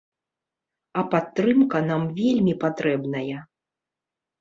А падтрымка нам вельмі патрэбная!